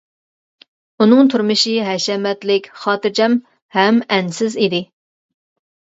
ئۇنىڭ تۇرمۇشى ھەشەمەتلىك، خاتىرجەم ھەم ئەنسىز ئىدى.